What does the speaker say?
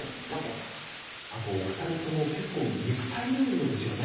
あとお二人とも結構肉体労働ですよね。